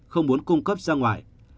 không muốn cung cấp ra ngoài